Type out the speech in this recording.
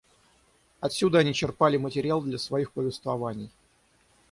Отсюда они черпали материал для своих повествований.